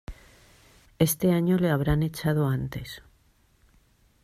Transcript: Este año le habrán echado antes.